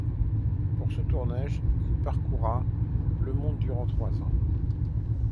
Pour ce tournage, il parcourra le monde durant trois ans.